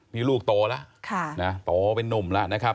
นี่ลูกโตแล้วโตเป็นนุ่มแล้วนะครับ